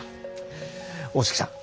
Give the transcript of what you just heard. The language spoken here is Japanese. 大月さん